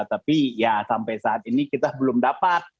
tapi ya sampai saat ini kita belum dapat